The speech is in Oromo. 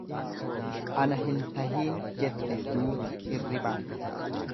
Ana hin tahiin jette duuti hirribaan.